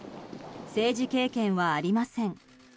政治経験はありません。